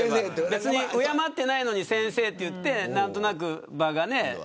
別に敬ってないのに先生と言って何となく場がね。